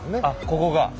あっここが！